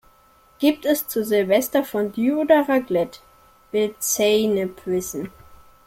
"Gibt es zu Silvester Fondue oder Raclette?", will Zeynep wissen.